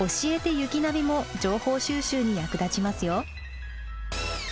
雪ナビ」も情報収集に役立ちますよ。